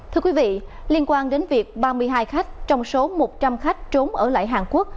thưa quý vị liên quan đến việc ba mươi hai khách trong số một trăm linh khách trốn ở lại hàn quốc